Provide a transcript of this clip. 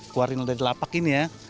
kuarin dari lapak ini ya